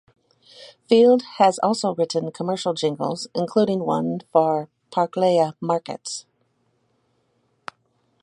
Field has also written commercial jingles, including one for Parklea Markets.